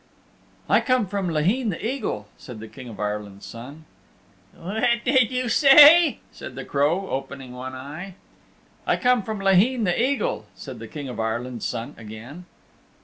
"I come from Laheen the Eagle," said the King of Ireland's Son. "What did you say?" said the Crow, opening one eye. "I come from Laheen the Eagle," said the King of Ireland's Son again.